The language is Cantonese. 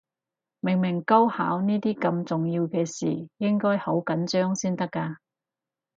明明高考呢啲咁重要嘅事，應該好緊張先得㗎